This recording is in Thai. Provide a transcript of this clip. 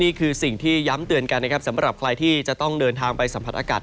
นี่คือสิ่งที่ย้ำเตือนกันนะครับสำหรับใครที่จะต้องเดินทางไปสัมผัสอากาศ